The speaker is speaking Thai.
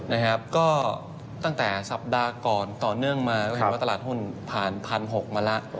นะครับก็ตั้งแต่สัปดาห์ก่อนต่อเนื่องมาก็เห็นว่าตลาดหุ้นผ่าน๑๖๐๐มาแล้ว